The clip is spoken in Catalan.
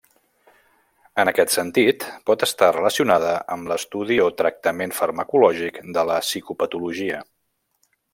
En aquest sentit, pot estar relacionada amb l'estudi o tractament farmacològic de la psicopatologia.